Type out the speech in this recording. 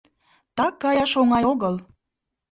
Так каяш оҥай огыл.